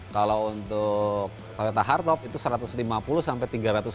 kalau untuk toyota hard of itu satu ratus lima puluh sampai tiga ratus lima puluh